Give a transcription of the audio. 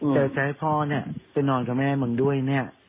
จะให้พ่อไปนอนกับแม่มึงด้วย